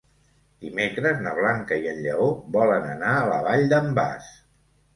Dimecres na Blanca i en Lleó volen anar a la Vall d'en Bas.